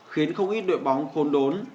khiến không ít đội bóng khôn đốn